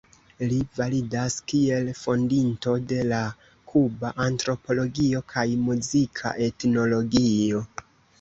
Li validas kiel fondinto de la kuba antropologio kaj muzika etnologio.